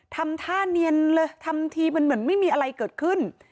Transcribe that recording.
ทำท่าเนียนเลยทำทีเป็นเหมือนไม่มีอะไรเกิดขึ้น